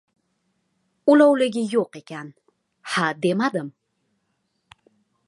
Ulovligi yo‘q ekan, ha, demadim.